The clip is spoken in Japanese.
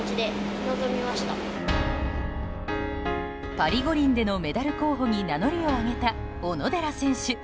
パリ五輪でのメダル候補に名乗りを上げた小野寺選手。